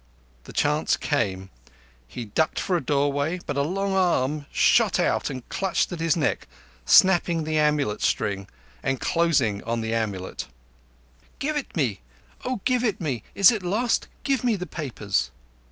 The chance came; he ducked for the doorway, but a long arm shot out and clutched at his neck, snapping the amulet string and closing on the amulet. "Give it me. O, give it me. Is it lost? Give me the papers."